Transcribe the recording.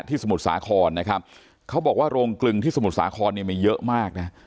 สมุทรสาครนะครับเขาบอกว่าโรงกลึงที่สมุทรสาครเนี่ยมีเยอะมากนะ